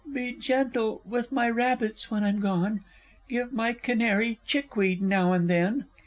_) Be gentle with my rabbits when I'm gone; Give my canary chickweed now and then.